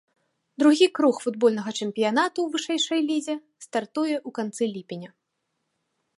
Другі круг футбольнага чэмпіянату ў вышэйшай лізе стартуе ў канцы ліпеня.